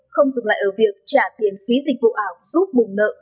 không dừng lại ở việc trả tiền phí dịch vụ ảo giúp bùng nợ